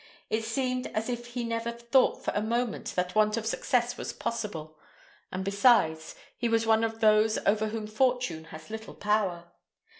It seemed as if he never thought for a moment that want of success was possible; and, besides, he was one of those over whom Fortune has little power.